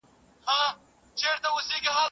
تاسو خپله لاره د پوهې په رڼا کې وټاکئ.